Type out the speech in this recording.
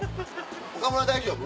岡村大丈夫？